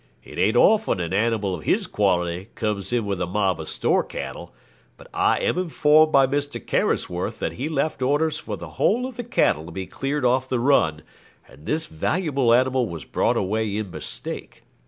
It ain't often an animal of his quality comes in with a mob of store cattle; but I am informed by Mr. Carisforth that he left orders for the whole of the cattle to be cleared off the run, and this valuable animal was brought away in mistake.